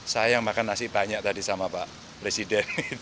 saya yang makan nasi banyak tadi sama pak presiden